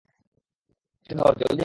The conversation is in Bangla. এটা ধর, জলদি আয়।